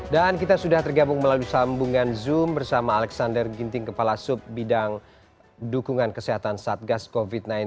dan kita sudah tergabung melalui sambungan zoom bersama alexander ginting kepala sub bidang dukungan kesehatan satgas covid sembilan belas